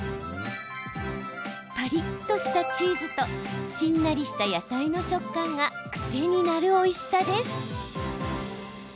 パリッとしたチーズとしんなりした野菜の食感が癖になるおいしさです。